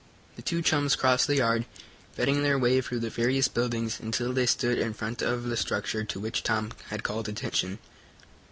The two chums crossed the yard, threading their way through the various buildings, until they stood in front of the structure to which Tom had called attention.